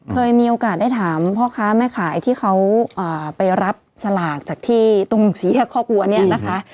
เคยมีโอกาสได้ถามพ่อค้าแม่ขายที่เขาไปรับสลากจากที่ตรงสี่แยกข้อกลัวเนี่ยนะคะ